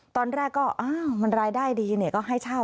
ตอนแรกก็อ้าวมันรายได้ดีก็ให้เช่า